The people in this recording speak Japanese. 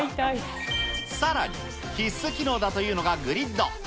さらに、必須機能だというのがグリッド。